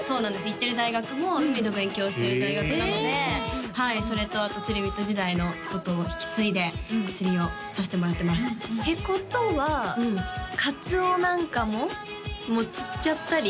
行ってる大学も海の勉強をしてる大学なのでそれとあとつりビット時代のことを引き継いで釣りをさせてもらってますってことはカツオなんかも釣っちゃったり？